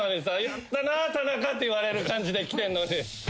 「やったな田中」って言われる感じで来てんのに。